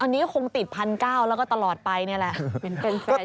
อันนี้ก็คงติด๑๙๐๐แล้วก็ตลอดไปนี่แหละ